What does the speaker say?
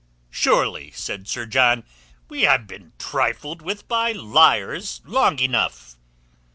"Surely," said Sir John, "we have been trifled with by liars long enough!"